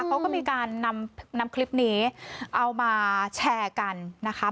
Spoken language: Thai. เขาก็มีการนำคลิปนี้เอามาแชร์กันนะคะ